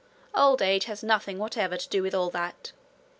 Old age has nothing whatever to do with all that.